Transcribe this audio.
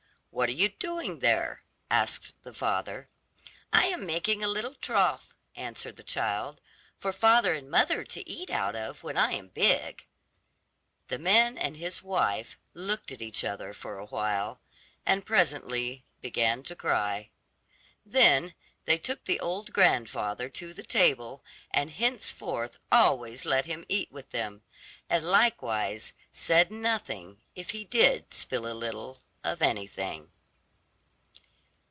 'What are you doing there?' asked the father. 'I am making a little trough,' answered the child, 'for father and mother to eat out of when I am big.' The man and his wife looked at each other for a while, and presently began to cry. Then they took the old grandfather to the table, and henceforth always let him eat with them, and likewise said nothing if he did spill a little of anything.